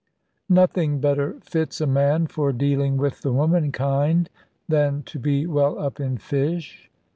Nothing better fits a man, for dealing with the womankind, than to be well up in fish.